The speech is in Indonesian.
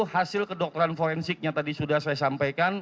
hasil kedokteran forensiknya tadi sudah saya sampaikan